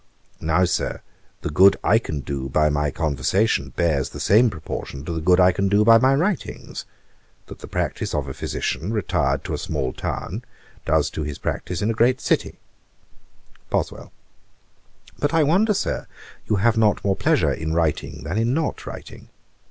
Now, Sir, the good I can do by my conversation bears the same proportion to the good I can do by my writings, that the practice of a physician, retired to a small town, does to his practice in a great city.' BOSWELL. 'But I wonder, Sir, you have not more pleasure in writing than in not writing.'